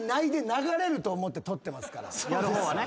やる方はね。